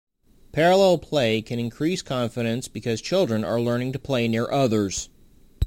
Parallel play can increase confidence because children are learning to play near others.